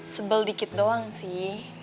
sebel dikit doang sih